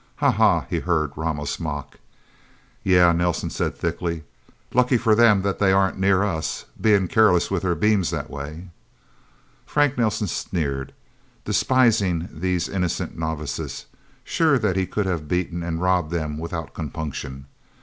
"Haw haw," he heard Ramos mock. "Yeah," Nelsen said thickly. "Lucky for them that they aren't near us being careless with their beams, that way..." Frank Nelsen sneered, despising these innocent novices, sure that he could have beaten and robbed them without compunction.